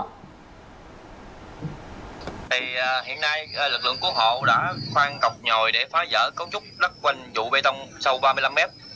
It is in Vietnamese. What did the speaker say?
hiện nay lực lượng cứu hộ đã khoan cọc nhòi để phá giỡn cấu trúc đất quanh trụ bê tông sâu ba mươi năm m